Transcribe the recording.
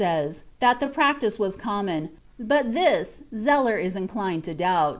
_ iii, 15) says that the practice was common, but this Zeller is inclined to doubt.